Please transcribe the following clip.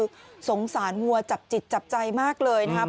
คือสงสารวัวจับจิตจับใจมากเลยนะครับ